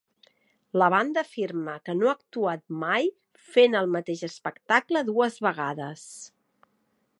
La banda afirma que no ha actuat mai fent el mateix espectacle dues vegades.